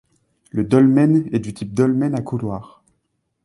Le dolmen est du type dolmen à couloir.